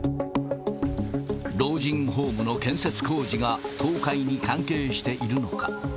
老人ホームの建設工事が倒壊に関係しているのか。